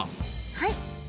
はい。